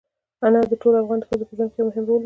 انار د ټولو افغان ښځو په ژوند کې هم یو رول لري.